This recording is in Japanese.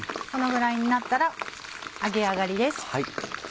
このぐらいになったら揚げ上がりです。